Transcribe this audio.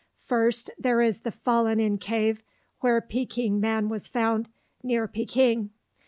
First, there is the fallen in cave where Peking man was found, near Peking.